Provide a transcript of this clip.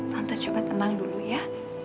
tante coba tenang dulu ya